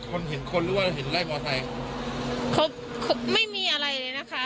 คนเห็นคนหรือว่าเห็นไล่มอไซค์เขาไม่มีอะไรเลยนะคะ